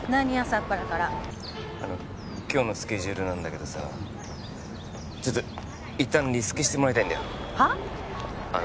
朝っぱらからあの今日のスケジュールなんだけどさちょっと一旦リスケしてもらいたいんだよはあ？